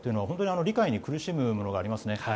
本当に理解に苦しむものがありますね。